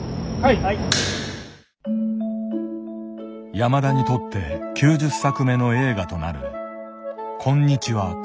山田にとって９０作目の映画となる「こんにちは、母さん」。